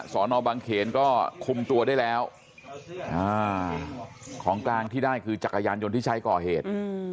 สอนอบังเขนก็คุมตัวได้แล้วของกลางที่ได้คือจักรยานยนต์ที่ใช้ก่อเหตุ